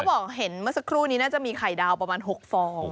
บอกเห็นเมื่อสักครู่นี้น่าจะมีไข่ดาวประมาณ๖ฟอง